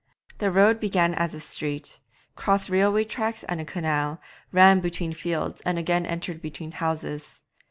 The road began as a street, crossed railway tracks and a canal, ran between fields, and again entered between houses.